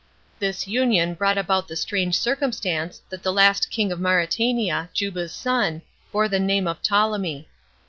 This union brought about the strange circumstance that the last king of Mauretania, Juba's son, bore the name of Ptolemy.